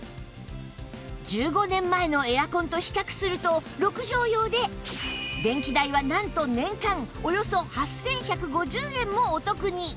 １５年前のエアコンと比較すると６畳用で電気代はなんと年間およそ８１５０円もお得に！